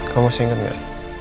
kamu masih inget gak